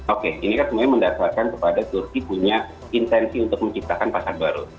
oke ini kan sebenarnya mendasarkan kepada turki punya intensi untuk menciptakan pasar baru